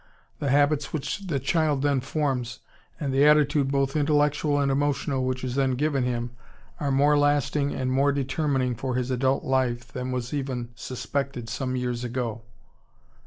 The habits which the child then forms, and the attitude both intellectual and emotional which is then given him, are more lasting and more determining for his adult life than was even suspected some years ago."